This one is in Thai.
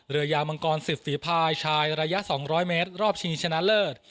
เรือยาวมังกร๑๐ฝีภายชายระยะ๒๐๐เมตรรอบชิงชนะเลิศ